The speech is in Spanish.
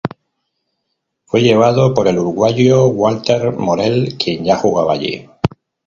Fue llevado por el uruguayo Walter Morel, quien ya jugaba allí.